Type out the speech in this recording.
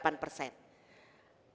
kita akan mencari